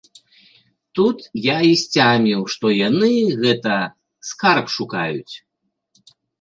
Тут я і сцяміў, што яны, гэта, скарб шукаюць.